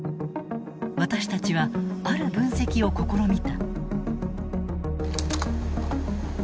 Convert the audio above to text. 私たちはある分析を試みた。